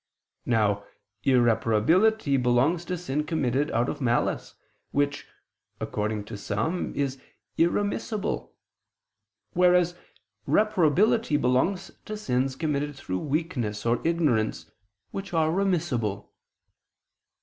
Now irreparability belongs to sin committed out of malice, which, according to some, is irremissible: whereas reparability belongs to sins committed through weakness or ignorance, which are remissible.